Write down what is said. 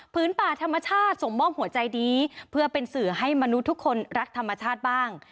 ป่าธรรมชาติส่งมอบหัวใจดีเพื่อเป็นสื่อให้มนุษย์ทุกคนรักธรรมชาติบ้าง